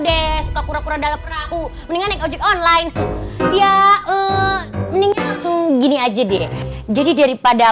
deh suka kura kura dalam perahu mendingan online ya mendingan gini aja deh jadi daripada